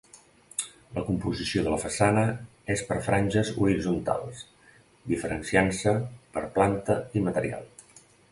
La composició de la façana és per franges horitzontals, diferenciant-se per planta i material.